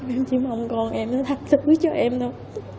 em chỉ mong con em nó thật sự cho em đâu